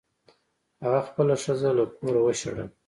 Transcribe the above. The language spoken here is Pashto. هغه خپله ښځه له کوره وشړله.